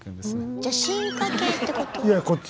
じゃあ進化型ってこと？